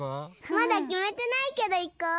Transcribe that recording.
まだきめてないけどいこう！